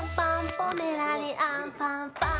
ポメラニアンパンパン。